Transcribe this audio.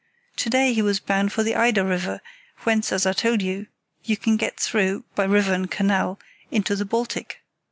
To day he was bound for the Eider River, whence, as I told you, you can get through (by river and canal) into the Baltic.